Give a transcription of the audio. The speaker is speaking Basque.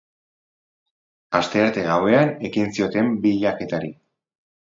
Astearte gauean ekin zioten bilaketari.